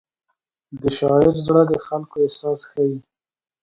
د شاعر زړه د خلکو احساس ښيي.